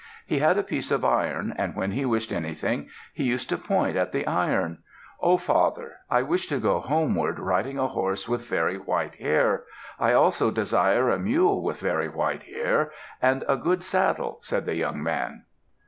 He had a piece of iron and when he wished anything he used to point at the iron. "O father, I wish to go homeward riding a horse with very white hair. I also desire a mule with very white hair, and a good saddle," said the young man.